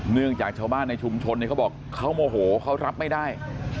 เนื่องจากชาวบ้านในชุมชนเขาบอกเขาโมโหเขารับไม่ได้